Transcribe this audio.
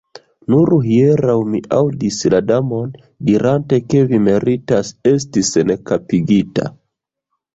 Nur hieraŭ mi aŭdis la Damon diranta ke vi meritas esti senkapigita.